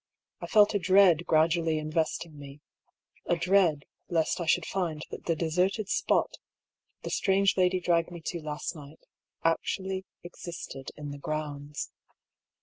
I felt a dread gradually investing me — a dread lest I should find that the deserted spot the strange lady dragged me to last night actually existed in the grounds.